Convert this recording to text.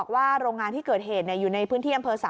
ว่ารงงานที่เกิดเหตุอยู่ในพื้นที่